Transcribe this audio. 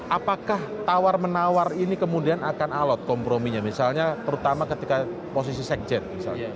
apakah tawar menawar ini kemudian akan alot komprominya misalnya terutama ketika posisi sekjen misalnya